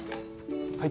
はい。